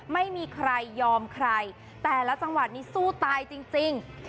ไม่มีใครยอมใครแต่ละจังหวัดนี้สู้ตายจริง